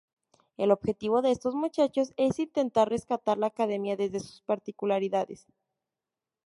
El objetivo de estos muchachos es intentar rescatar la academia desde sus particularidades.